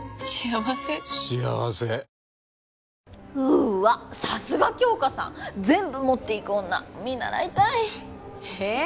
うっわさすが杏花さん全部持っていく女見習いたいえ？